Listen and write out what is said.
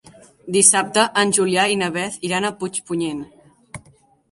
Dissabte en Julià i na Beth iran a Puigpunyent.